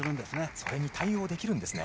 それに対応できるんですね。